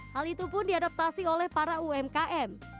hal itu pun diadaptasi oleh para umkm